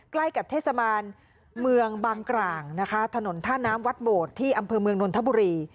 ใกล้กับเทศบาลเมืองบางกร่างนะคะถนนท่าน้ำวัดโบดที่อำเภอเมืองนนทบุรี